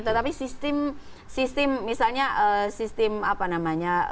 tetapi sistem misalnya sistem apa namanya